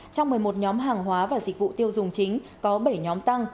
trong một mươi một nhóm hàng hóa và dịch vụ tiêu dùng chính có bảy nhóm tăng